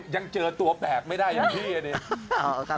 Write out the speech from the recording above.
ยังเจอตัวแปลกไม่ได้อย่างพี่เนี่ย